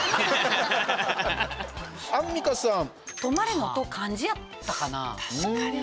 アンミカさん。